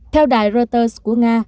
theo đài reuters của nga